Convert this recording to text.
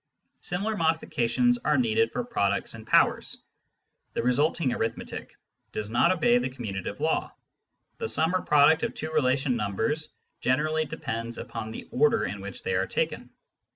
Similar modifica tions are needed for products and powers. The resulting arith metic does not obey the commutative law : the sum or product of two relation numbers generally depends upon the order in which they are taken.